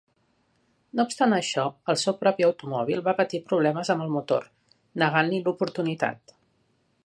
No obstant això, el seu propi automòbil va patir problemes amb el motor, negant-li l'oportunitat.